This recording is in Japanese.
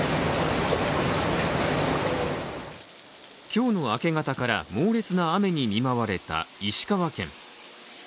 今日の明け方から猛烈な雨に見舞われた石川県。